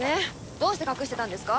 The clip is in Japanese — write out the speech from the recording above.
どうして隠してたんですか？